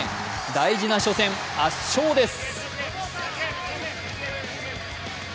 大事な初戦、圧勝です。